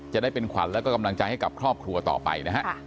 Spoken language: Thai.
จะได้เป็นขวัญแล้วก็กำลังใจให้กับครอบครัวต่อไปนะฮะ